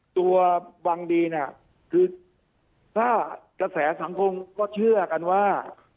ตัวบังดีเนี่ยคือถ้ากระแสสังคมก็เชื่อกันว่า